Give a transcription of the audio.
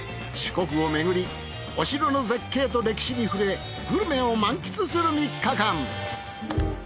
四国をめぐりお城の絶景と歴史に触れグルメを満喫する３日間。